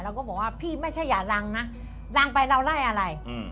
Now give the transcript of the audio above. ก็บอกว่าพี่ไม่ใช่อย่ารังนะรังไปเราไล่อะไร